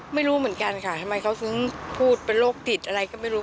ไม่รู้เหมือนกันค่ะทำไมเขาซึ้งพูดเป็นโรคติดอะไรก็ไม่รู้